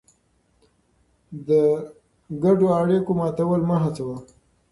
د ګډو اړیکو ماتول مه هڅوه.